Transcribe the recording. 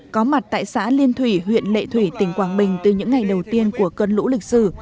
có mặt tại xã liên thủy huyện lệ thủy tỉnh quảng bình từ những ngày đầu tiên của cơn lũ lịch sử